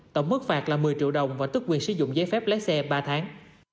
tổng mức phạt là một mươi triệu đồng và tức quyền sử dụng giấy phép lái xe ba tháng